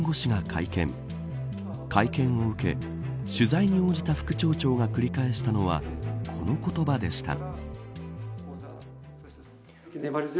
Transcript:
会見を受け取材に応じた副町長が繰り返したのはこの言葉でした。